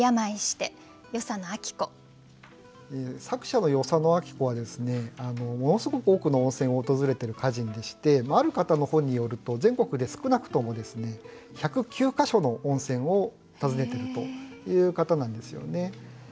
作者の与謝野晶子はものすごく多くの温泉を訪れている歌人でしてある方の本によると全国で少なくとも１０９か所の温泉を訪ねてるという方なんですよね。